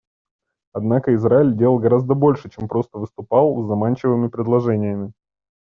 Однако Израиль делал гораздо больше, чем просто выступал с заманчивыми предложениями.